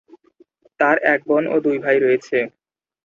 তার এক বোন ও দুই ভাই রয়েছে।